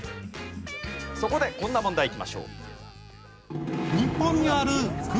そこでこんな問題いきましょう。